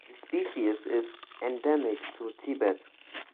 The species is endemic to Tibet.